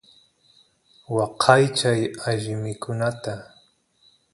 waqaychay alli mikunata